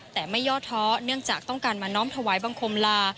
แต่ไม่ย่อท้อเนื่องจากต้องการมาน้อมถวายบังคมลา